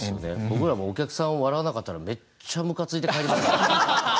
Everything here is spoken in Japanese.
僕らもうお客さん笑わなかったらめっちゃムカついて帰りますけどね。